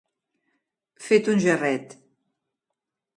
Fet un gerret.